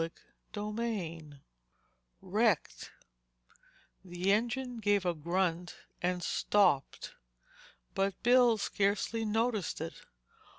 Chapter X WRECKED The engine gave a grunt and stopped. But Bill scarcely noticed it.